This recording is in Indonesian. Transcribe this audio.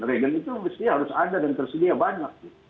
regen itu harus ada dan tersedia banyak